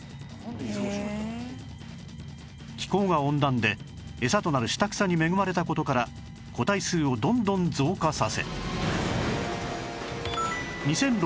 気候が温暖で餌となる下草に恵まれた事から個体数をどんどん増加させ